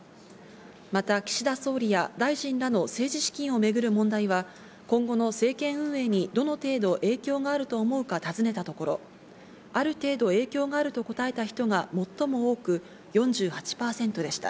また岸田総理や大臣らの政治資金をめぐる問題は今後の政権運営にどの程度影響があると思うか尋ねたところ、ある程度影響があると答えた人が最も多く、４８％でした。